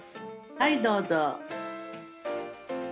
はいどうぞ。